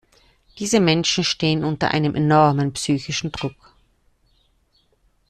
Diese Menschen stehen unter einem enormen psychischen Druck.